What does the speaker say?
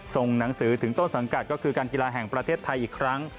ส่งหนังสือถึงต้นสังกัดก็คือการกีฬาแห่งประเทศไทยอีกครั้ง